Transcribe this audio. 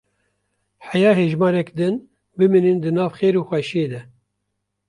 Heya hejmarek din bimînin di nav xêr û xweşîyê de.